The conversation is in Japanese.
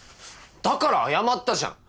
だから謝ったじゃん！